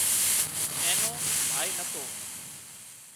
اين نو ڀائي نتو